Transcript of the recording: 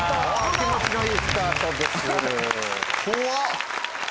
気持ちのいいスタートです。